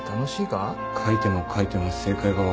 書いても書いても正解が分からなくて。